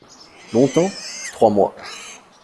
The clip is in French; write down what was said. Longtemps ? Trois mois.